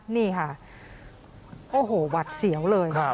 นี่ค่ะโอ้โหหวัดเสียวเลย